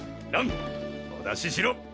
蘭お出ししろ。